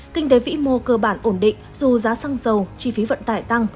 kinh tế vĩ mô cơ bản ổn định dù giá xăng dầu chi phí vận tải tăng